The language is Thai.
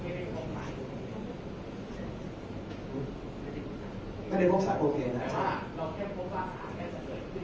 แต่ว่าไม่มีปรากฏว่าถ้าเกิดคนให้ยาที่๓๑